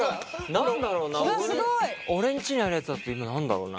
何だろうな俺んちにあるやつだと今何だろうな？